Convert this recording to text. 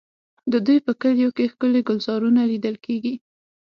د دوی په کلیو کې ښکلي ګلزارونه لیدل کېږي.